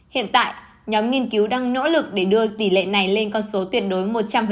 hiện tại nhóm nghiên cứu đang nỗ lực để đưa tỷ lệ này lên con số tuyệt đối một trăm linh